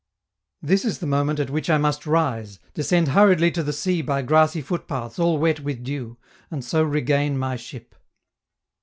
This is the moment at which I must rise, descend hurriedly to the sea by grassy footpaths all wet with dew, and so regain my ship.